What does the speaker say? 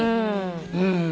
うん。